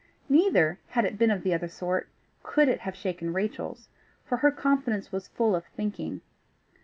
Neither, had it been of the other sort, could it have shaken Rachel's, for her confidence was full of thinking.